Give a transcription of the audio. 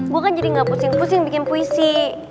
gue kan jadi gak pusing pusing bikin puisi